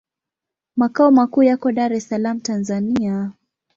Makao makuu yako Dar es Salaam, Tanzania.